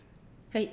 はい。